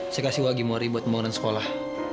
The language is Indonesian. saya kasih uang gimori untuk pembangunan sekolah